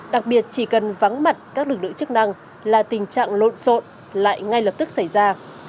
đặc biệt chỉ cần vắng mặt các lực lượng chức năng là tình trạng lộn xộn lại ngay lập tức xảy ra